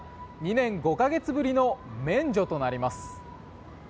２年５か月ぶりの免除となります。